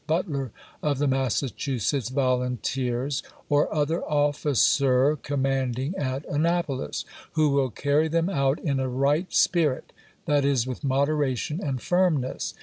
Butler of the Massachusetts Volunteers, or other officer commanding at Annapolis, who will carry them out in a right spuit ; that is, with moderation and firmness.